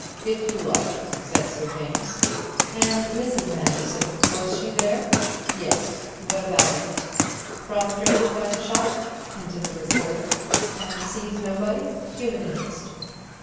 "If you like," said Sir James. "And Mrs. Manderson? Was she there?" "Yes. What about her?" "Prostrated by the shock," hinted the reporter, "and sees nobody. Human interest."